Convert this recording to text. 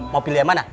mau pilih yang mana